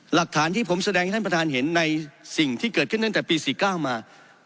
หลักฐานที่ผมแสดงให้ท่านประธานเห็นในสิ่งที่เกิดขึ้นตั้งแต่ปี๔๙มา